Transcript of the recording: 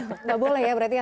tidak boleh ya berarti ya